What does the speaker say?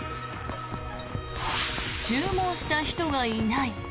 注文した人がいない。